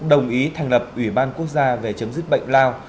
đồng ý thành lập ủy ban quốc gia về chấm dứt bệnh lao